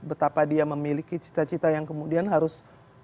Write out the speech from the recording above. betapa dia memiliki cita cita yang kemudian harus